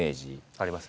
ありますね。